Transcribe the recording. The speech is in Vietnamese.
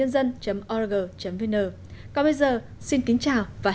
còn bây giờ xin kính chào và hẹn gặp lại quý vị và các bạn trong các chương trình lần sau